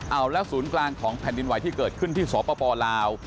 เอาแล้วศูนย์กลางของแผ่นดินไหวที่เกิดขึ้นที่สปลาว